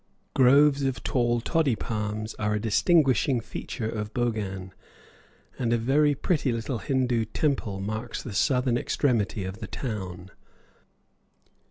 Groves of tall toddy palms are a distinguishing feature of Bhogan, and a very pretty little Hindoo temple marks the southern extremity of the town.